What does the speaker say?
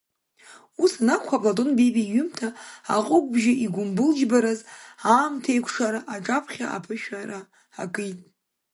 Ус анакәха, Платон Бебиа иҩымҭа Аҟыгәбжьы игәымбылџьбараз аамҭеикәшара аҿаԥхьа аԥышәара акит.